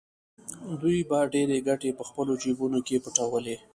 دوی به ډېرې ګټې په خپلو جېبونو کې پټولې